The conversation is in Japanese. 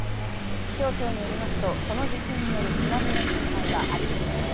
気象庁によりますと、この地震による津波の心配はありません。